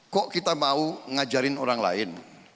kok kita mau ngajarin orang lain